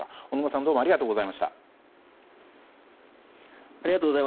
大沼さんありがとうございました。